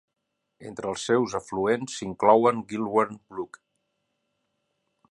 Entre els seus afluents s'inclouen Gilwern Brook.